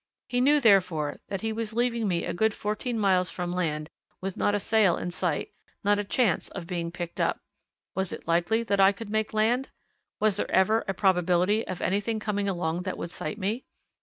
He knew, therefore, that he was leaving me a good fourteen miles from land with not a sail in sight, not a chance of being picked up. Was it likely that I could make land? was there ever a probability of anything coming along that would sight me?